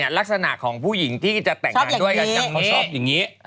ไม่สมศักดิ์รู้สมศักดิ์ยังอยู่